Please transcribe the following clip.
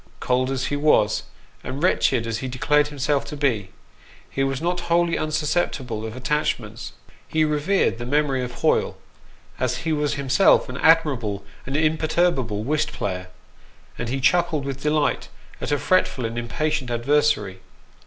Cold as he was, and wretched as he declared himself to be, he was not wholly susceptible of attachments. He revered the memory of Hoyle, as he was himself an admirable and imperturbable whist player, and he chuckled with delight at a fretful and impatient adversary.